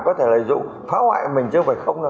có thể lợi dụng phá hoại mình chứ không phải không